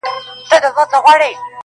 o دا بیتونه مي په جمهوریت کي لیکلي و,